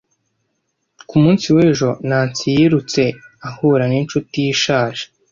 Ku munsi w'ejo, Nancy yirutse ahura n'inshuti ye ishaje.